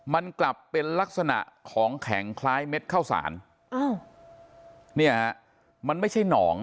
มันกลับเป็นลักษณะของแข็งคล้ายเม็ดข้าวสารอ้าวเนี่ยฮะมันไม่ใช่หนอง